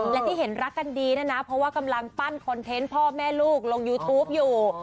และที่เห็นรักกันดีนะนะเพราะว่ากำลังปั้นคอนเทนต์พ่อแม่ลูกลงยูทูปอยู่